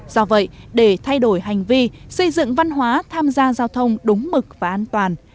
do vậy để thay đổi hành vi xây dựng văn hóa tham gia giao thông đúng mực và an toàn